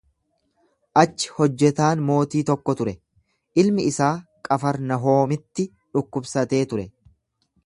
Achi hojjetaan mootii tokko ture, ilmi isaa Qafarnahoomitti dhukkubsatee ture.